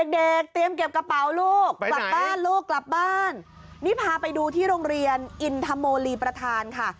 เตรียมเก็บกระเป๋าลูกกลับบ้านลูกกลับบ้านนี่พาไปดูที่โรงเรียนอินทโมลีประธานค่ะ